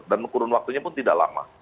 dan ukuran waktunya pun tidak lama